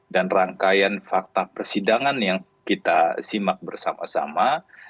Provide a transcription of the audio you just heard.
dan rangkaian fakta persidangan yang kita simak bersama sama